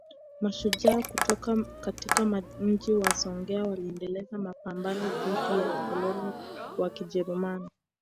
Mashujaa kutoka katika Mji wa Songea waliendeleza mapambano dhidi ya ukoloni wa Kijerumani